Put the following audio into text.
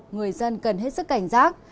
người dân cần hết sức cảnh giác